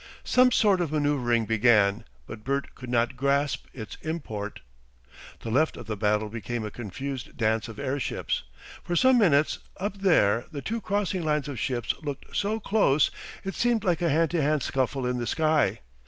Some sort of manoeuvring began, but Bert could not grasp its import. The left of the battle became a confused dance of airships. For some minutes up there the two crossing lines of ships looked so close it seemed like a hand to hand scuffle in the sky.